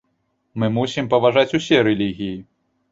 Мы мусім паважаць усе рэлігіі.